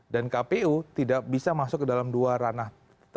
dan kpu tidak bisa masuk ke dalam dua ranah